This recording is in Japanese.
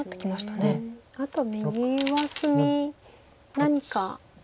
あと右上隅何か。